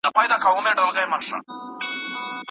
نور کار د وضاحت لپاره اړین دی.